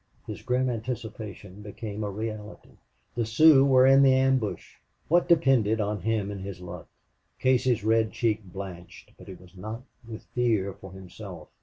His grim anticipation became a reality. The Sioux were in the ambush. What depended on him and his luck! Casey's red cheek blanched, but it was not with fear for himself.